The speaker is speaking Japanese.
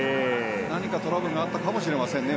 何かトラブルがあったかもしれませんね